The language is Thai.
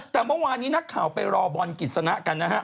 แต่เมื่อวานนี้นักข่าวไปรอบอลกิจสนะกันนะฮะ